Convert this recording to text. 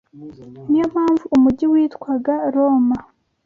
Niyo mpamvu umujyi witwaga Roma.